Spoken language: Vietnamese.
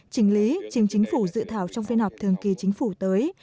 chỉnh lý chỉnh chính phủ dự thảo trong phiên họp thường kỳ chính phủ tới